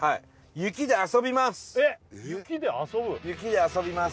雪で遊びます